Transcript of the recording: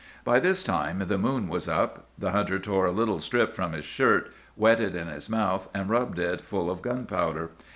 "By this time the moon was up. The hunter tore a little strip from his shirt, wet it in his mouth, and rubbed it full of gunpowder.